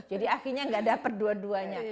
jadi akhirnya gak dapet dua duanya